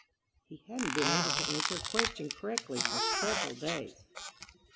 He hadn't been able to answer a question correctly for several days.